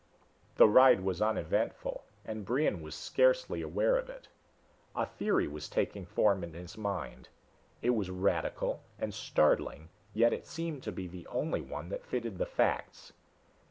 The ride was uneventful, and Brion was scarcely aware of it. A theory was taking form in his mind. It was radical and startling yet it seemed to be the only one that fitted the facts.